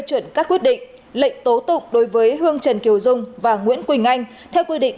chuẩn các quyết định lệnh tố tụng đối với hương trần kiều dung và nguyễn quỳnh anh theo quy định